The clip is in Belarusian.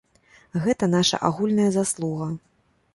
Гэта наша агульная заслуга.